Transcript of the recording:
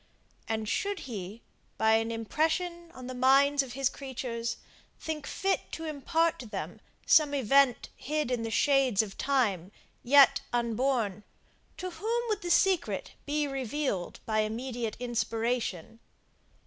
And should he, by an impression on the minds of his creatures, think fit to impart to them some event hid in the shades of time, yet unborn, to whom would the secret be revealed by immediate inspiration?